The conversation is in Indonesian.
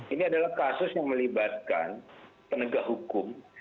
ini adalah kasus yang melibatkan penegak hukum